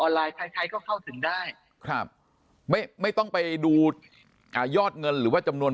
ออนไลน์ใครก็เข้าถึงได้ไม่ต้องไปดูยอดเงินหรือว่าจำนวน